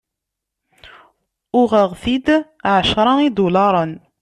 Uɣeɣ-t-id εecra idularen.